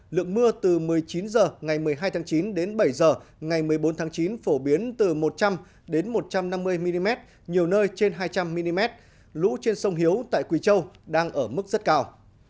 lượng mưa từ một mươi chín h ngày một mươi hai tháng chín đến bảy h ngày một mươi bốn tháng chín phổ biến từ một trăm linh đến một trăm năm mươi mm nhiều nơi trên hai trăm linh mm lũ trên sông hiếu tại quỳ châu đang ở mức rất cao